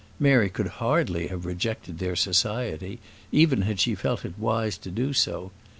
Mary could hardly have rejected their society, even had she felt it wise to do so.